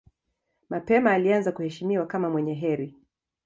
Mapema alianza kuheshimiwa kama mwenye heri.